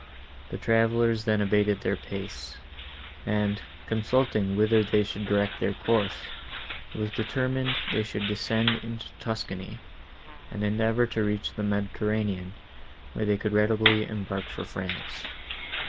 The travellers then abated their pace, and, consulting whither they should direct their course, it was determined they should descend into Tuscany, and endeavour to reach the Mediterranean, where they could readily embark for France.